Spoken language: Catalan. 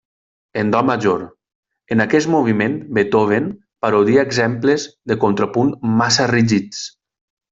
En do major, en aquest moviment Beethoven parodia exemples de contrapunt massa rígids.